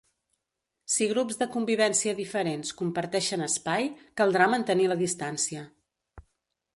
Si grups de convivència diferents comparteixen espai, caldrà mantenir la distància.